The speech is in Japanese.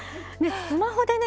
スマホでね